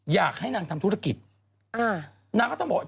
อยากให้นางทำธุรกิจอ่านางก็ต้องบอกว่า